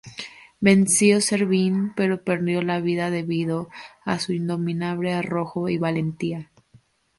Venció Servín, pero perdió la vida debido a su indomable arrojo y valentía.